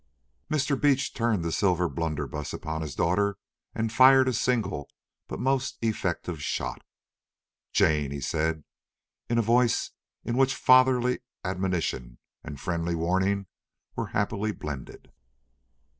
Mr. Beach turned the silver blunderbuss upon his daughter and fired a single, but most effective shot. "Jane!" he said in a voice in which fatherly admonition and friendly warning were happily blended.